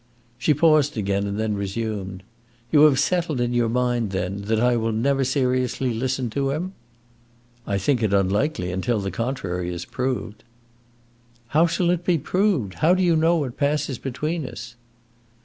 She paused again, and then resumed: "You have settled in your mind, then, that I will never seriously listen to him?" "I think it unlikely, until the contrary is proved." "How shall it be proved? How do you know what passes between us?"